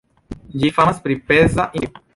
Ĝi famas pri peza industrio.